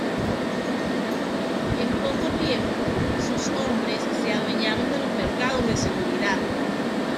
En poco tiempo sus hombres se adueñaron de los mercados de seguridad.